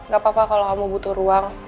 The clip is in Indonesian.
gak papa kalo kamu butuh ruang